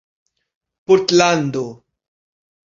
portlando